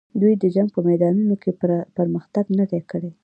دوی د جنګ په میدانونو کې پرمختګ نه دی کړی.